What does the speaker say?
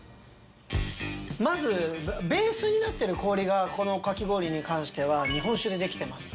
まずベースになってる氷がこのかき氷に関しては日本酒でできてます。